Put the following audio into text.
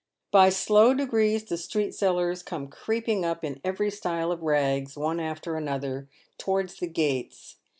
By slow degrees the street sellers come creeping up in every style of rags, one after another, towards the gates.